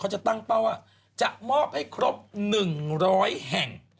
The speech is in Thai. จะตั้งเป้าว่าจะมอบให้ครบ๑๐๐แห่ง